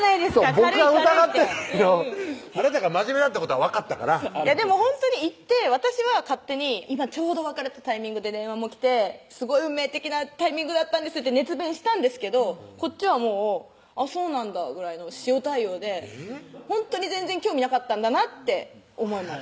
僕は疑ってないのあなたが真面目だってことはわかったからでもほんとに行って私は勝手に「今ちょうど別れたタイミングで電話も来て運命的なタイミングだったんです」って熱弁したんですけどこっちはもう「あっそうなんだ」ぐらいの塩対応でほんとに全然興味なかったんだなって思います